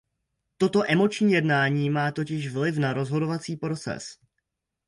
Toto emoční jednání má totiž vliv na rozhodovací proces.